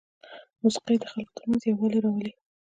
موسیقي د خلکو ترمنځ یووالی راولي.